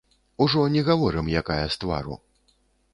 Ужо не гаворым, якая з твару.